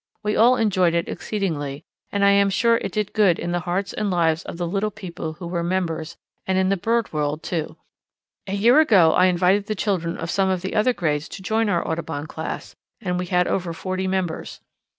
We all enjoyed it exceedingly, and I am sure it did good in the hearts and lives of the little people who were members and in the bird world, too. A year ago I invited the children of some of the other grades to join our Audubon Class and we had over forty members.